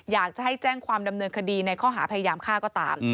อยากจะให้แจ้งความดำเนินคดีในข้อหาพยายามฆ่าก็ตาม